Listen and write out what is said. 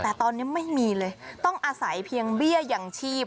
แต่ตอนนี้ไม่มีเลยต้องอาศัยเพียงเบี้ยอย่างชีพ